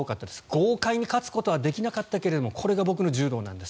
豪快に勝つことはできなかったけれどもこれが僕の柔道なんです